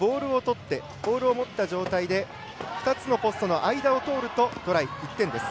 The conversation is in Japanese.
ボールを持った状態で２つのポストの間を通るとトライ、１点です。